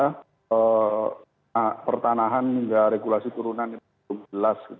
karena pertanahan hingga regulasi turunan itu jelas